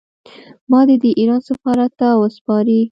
ما دې د ایران سفارت ته وسپاري.